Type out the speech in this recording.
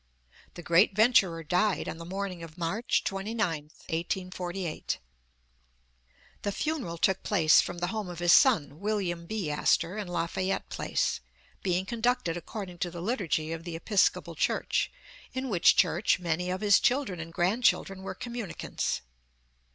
The great venturer died on the morn ing of March 29th, 1848. The funeral took place from the home of his son, William B. Astor, in Lafayette Place, being conducted according to the liturgy of the Episcopal Church, in which church many of his children and grandchildren were communicants.